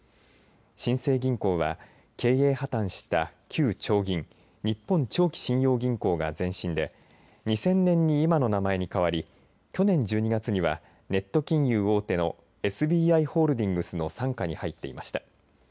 新生銀行は経営破綻した旧長銀日本長期信用銀行が前身で２０００年に今の名前に変わり去年１２月にはネット金融大手のＳＢＩホールディングスの傘下に入っていました。